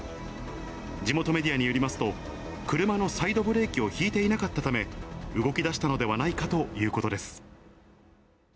地元メディアによりますと、車のサイドブレーキを引いていなかったため、動きだしたのではないかということです。